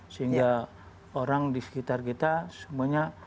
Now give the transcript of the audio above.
sehingga orang di sekitar kita semuanya